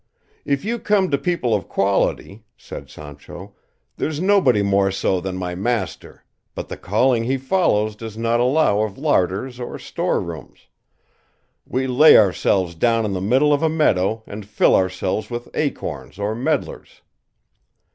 "If you come to people of quality," said Sancho, "there's nobody more so than my master; but the calling he follows does not allow of larders or store rooms; we lay ourselves down in the middle of a meadow, and fill ourselves with acorns or medlars."